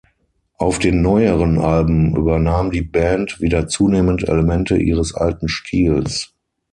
Auf den neueren Alben übernahm die Band wieder zunehmend Elemente ihres alten Stils.